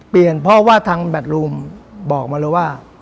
เปลี่ยนเพราะว่าทางแบตลูมบอกมาเลยว่า